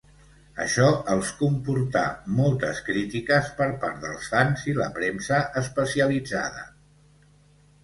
Això els comportà moltes crítiques per part dels fans i la premsa especialitzada.